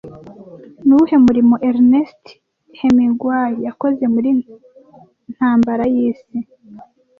Ni uwuhe murimo Ernest Hemmingway yakoze muri ntambara y'isi